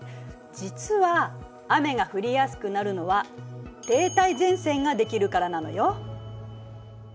実は雨が降りやすくなるのは停滞前線ができるからなのよ。